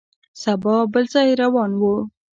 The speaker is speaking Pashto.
سبا بل ځای روان یو.